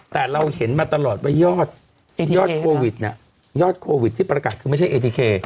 แต่เราเห็นมาตลอดว่ายอดนะยอดน่ะยอดที่ประกัดก็ไม่ใช่